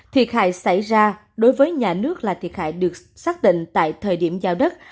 thiệt hại xảy ra đối với nhà nước là thiệt hại được xác định tại thời điểm giao đất